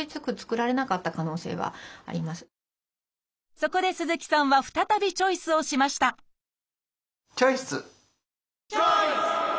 そこで鈴木さんは再びチョイスをしましたチョイス！